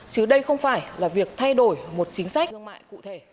chứ đây không phải là việc thay đổi một chính sách thương mại cụ thể